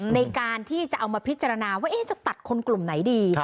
ในการที่จะเอามาพิจารณาว่าจะตัดคนกลุ่มไหนดี